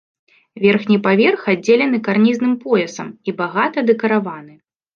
Верхні паверх аддзелены карнізным поясам і багата дэкараваны.